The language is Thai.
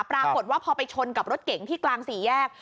ปรากฏว่าพอไปชนกับรถเก๋งที่กลางสี่แยก